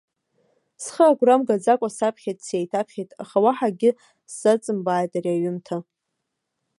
Схы агәра мгаӡакәа саԥхьеит, сеиҭаԥхьеит, аха уаҳа акгьы сзаҵымбааит ари аҩымҭа.